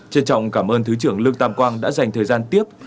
trên trọng cảm ơn thứ trưởng lương tàm quang đã dành thời gian tiếp